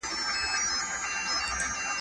لوېدیځ پوهان دې خلکو ته درناوی کوي.